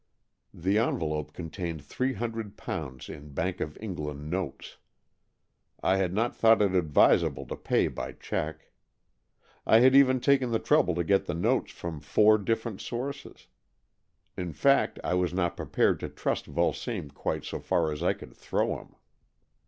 The envelope contained three hundred pounds in Bank of England notes. I had not thought it advisable to pay by cheque. I had even taken the trouble to get the notes from four different sources. In fact, I was not prepared to trust Vulsame quite so far as I could throw him.